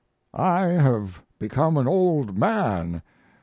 "I have become an old man.